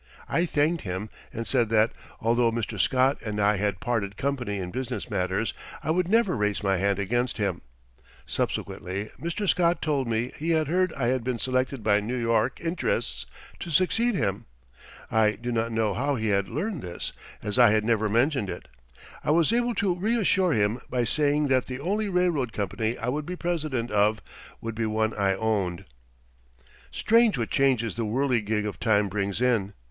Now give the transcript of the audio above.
I thanked him and said that, although Mr. Scott and I had parted company in business matters, I would never raise my hand against him. Subsequently Mr. Scott told me he had heard I had been selected by New York interests to succeed him. I do not know how he had learned this, as I had never mentioned it. I was able to reassure him by saying that the only railroad company I would be president of would be one I owned. Strange what changes the whirligig of time brings in.